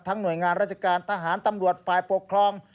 หน่วยงานราชการทหารตำรวจฝ่ายปกครอง